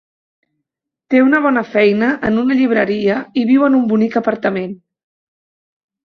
Té una bona feina en una llibreria i viu en un bonic apartament.